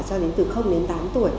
cho đến từ đến tám tuổi